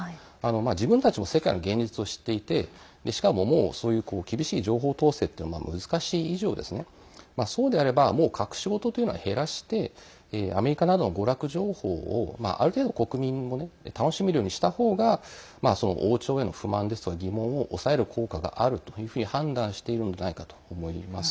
自分たちも世界の現実を知っていてしかも、もうそういう厳しい情報統制っていうのが難しい以上そうであればもう隠し事というのは減らしてアメリカなどの娯楽情報をある程度国民も楽しめるようにした方が王朝への不満ですとか疑問を抑える効果があるというふうに判断しているのではないかと思います。